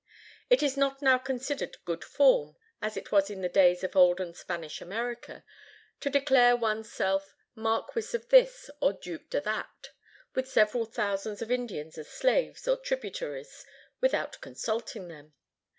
It is not now considered "good form," as it was in the days of olden Spanish America, to declare one's self Marquis of this or Duke de that, with several thousands of Indians as slaves or tributaries, without consulting them.